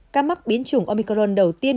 ca mắc biến chủng omicron đầu tiên